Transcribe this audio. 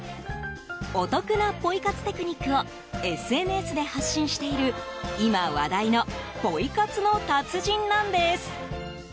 お得なポイ活テクニックをＳＮＳで発信している今話題のポイ活の達人なんです。